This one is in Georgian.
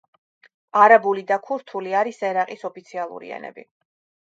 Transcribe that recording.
არაბული და ქურთული არის ერაყის ოფიციალური ენები.